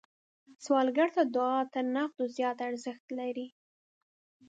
سوالګر ته دعا تر نغدو زیات ارزښت لري